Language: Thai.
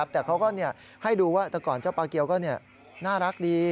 แต่เขาก็ให้ดูว่าแต่ก่อนเจ้าปลาเกียวก็น่ารักดี